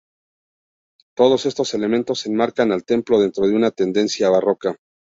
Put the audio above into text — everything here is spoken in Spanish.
Todos estos elementos enmarcan al templo dentro de una tendencia barroca.